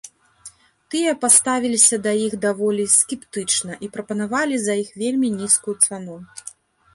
Тыя паставіліся да іх даволі скептычна і прапанавалі за іх вельмі нізкую цану.